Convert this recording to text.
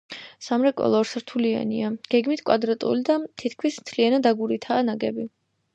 სამრეკლო ორსართულიანია გეგმით კვადრატული და თითქმის მთლიანად აგურითაა ნაგები.